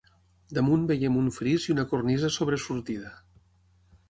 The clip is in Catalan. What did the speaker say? Damunt veiem un fris i una cornisa sobresortida.